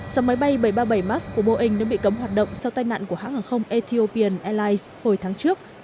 dòng máy bay bảy trăm ba mươi bảy max của boeing đã bị cấm hoạt động sau tai nạn của hãng hàng không ethiopian airlines hồi tháng trước